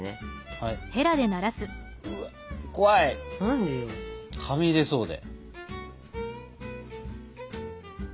はみ出そうで。